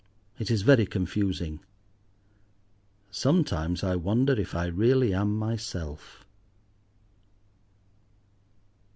It is very confusing. Sometimes I wonder if I really am myself.